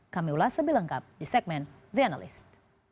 kami ulas lebih lengkap di segmen the analyst